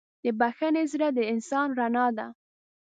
د بښنې زړه د انسان رڼا ده.